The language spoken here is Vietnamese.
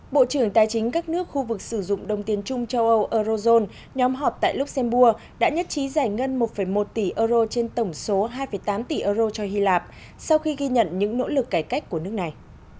bộ trưởng tài chính các nước khu vực sử dụng đồng tiền chung châu âu eurozone nhóm họp tại luxembourg đã nhất trí giải ngân một một tỷ euro trên tổng số hai tám tỷ euro cho hy lạp sau khi ghi nhận những nỗ lực cải cách của nước này